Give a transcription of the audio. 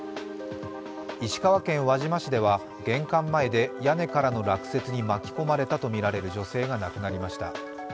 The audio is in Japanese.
石川県輪島市では玄関前で屋根からの落雪に巻き込まれたとみられる女性が亡くなりました。